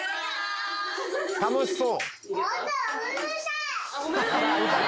楽しそう。